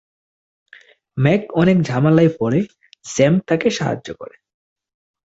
Mac অনেক ঝামেলায় পড়ে, স্যাম তাকে সাহায্য করে।